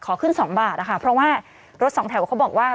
ขึ้น๒บาทนะคะเพราะว่ารถสองแถวเขาบอกว่า